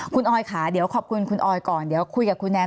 คุณออยค่ะเดี๋ยวขอบคุณคุณออยก่อนเดี๋ยวคุยกับคุณแนน